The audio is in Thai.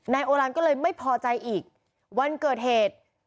โอลันก็เลยไม่พอใจอีกวันเกิดเหตุ